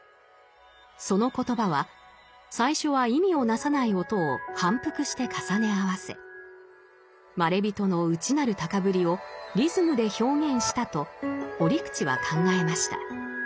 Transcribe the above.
その言葉は最初は意味をなさない音を反復して重ね合わせまれびとの内なる高ぶりをリズムで表現したと折口は考えました。